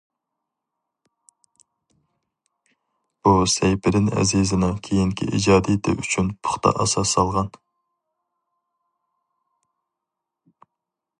بۇ سەيپىدىن ئەزىزىنىڭ كېيىنكى ئىجادىيىتى ئۈچۈن پۇختا ئاساس سالغان.